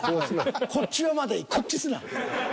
こっちはまだいいこっちすな！